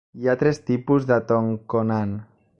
Hi ha tres tipus de "tongkonan".